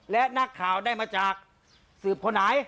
และนักข่าวได้มาจากสืบคนไหน